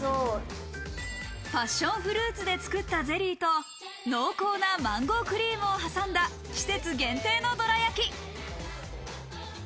パッションフルーツで作ったゼリーと、濃厚なマンゴークリームをはさんだ季節限定のどら焼き。